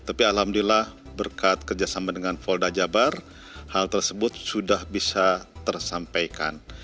tapi alhamdulillah berkat kerjasama dengan polda jabar hal tersebut sudah bisa tersampaikan